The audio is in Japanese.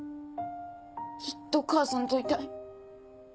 ずっと母さんといたい。